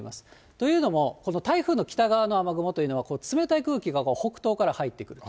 というのも、この台風の北側の雨雲というのは、冷たい空気が北東から入ってくると。